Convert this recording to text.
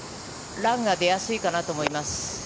ランが出やすいかなと思います。